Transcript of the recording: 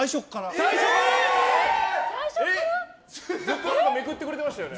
ずっとめくってくれてましたよね。